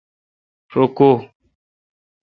رو کو?